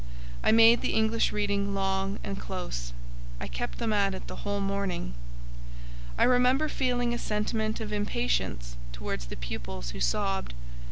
I made the English reading long and close. I kept them at it the whole morning. I remember feeling a sentiment of impatience towards the pupils who sobbed.